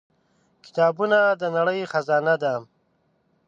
• کتابونه د نړۍ خزانه ده.